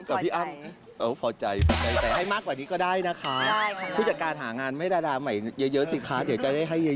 กับพี่อ้ำพอใจให้มากกว่านี้ก็ได้นะคะพฤติการหางานไม่ราดาใหม่เยอะสิคะเดี๋ยวจะได้ให้เยอะ